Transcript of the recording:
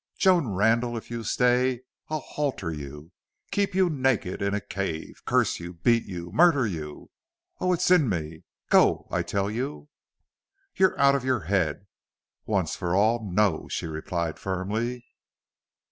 "Joan Randle, if you stay I'll halter you keep you naked in a cave curse you beat you murder you! Oh, it's in me!... Go, I tell you!" "You're out of your head. Once for all no!" she replied, firmly.